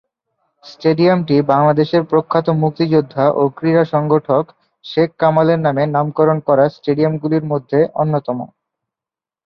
স্টেডিয়ামটি বাংলাদেশের প্রখ্যাত মুক্তিযোদ্ধা ও ক্রীড়া সংগঠক শেখ কামালের নামে নামকরণ করা স্টেডিয়াম গুলির মধ্যে অন্যতম।